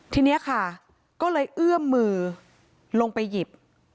ทีนี้ค่ะก็เลยเอื้อมมือลงไปหยิบ